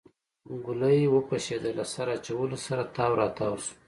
ګلی وپشېده له سر اچولو سره تاو راتاو شو.